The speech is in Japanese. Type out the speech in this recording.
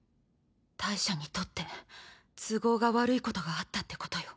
大赦にとって都合が悪いことがあったってことよ。